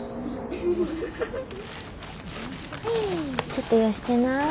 ちょっとよしてな。